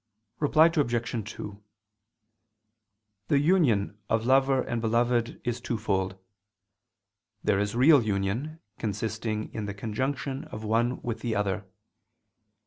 Reply Obj. 2: The union of lover and beloved is twofold. There is real union, consisting in the conjunction of one with the other.